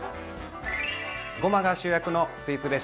ごまが主役のスイーツレシピ。